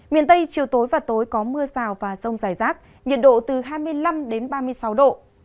miền tây chiều tối và tối có mưa rào và rông rải rác nhiệt độ từ hai mươi năm ba mươi sáu độ